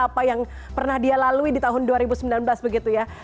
apa yang pernah dia lalui di tahun dua ribu sembilan belas begitu ya